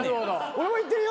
俺も言ってるよ